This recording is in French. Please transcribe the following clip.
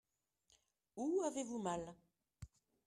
Où avez-vous mal ?